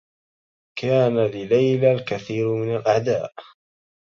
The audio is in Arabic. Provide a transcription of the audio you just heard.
كان لليلى الكثير من الأعداء.